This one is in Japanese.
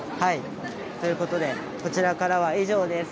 ということで、こちらからは以上です。